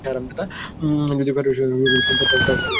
যদি ফেডারেশন আমাকে কোচ দিত, তাহলে তো কোনো কথাই ছিল না।